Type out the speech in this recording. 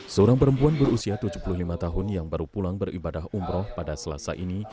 seorang perempuan berusia tujuh puluh lima tahun yang baru pulang beribadah umroh pada selasa ini